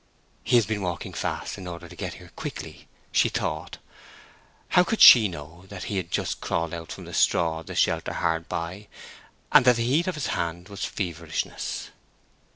"He has been walking fast, in order to get here quickly," she thought. How could she know that he had just crawled out from the straw of the shelter hard by; and that the heat of his hand was feverishness?